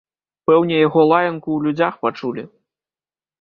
Пэўне яго лаянку ў людзях пачулі.